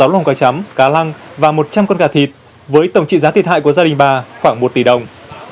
sáu lồng cá chấm cá lăng và một trăm linh con gà thịt với tổng trị giá thiệt hại của gia đình bà khoảng một tỷ đồng